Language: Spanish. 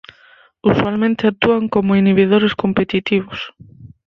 Usualmente actúan como "inhibidores competitivos".